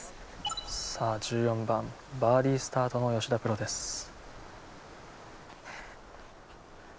さあ１４番バーディスタートの吉田プロです。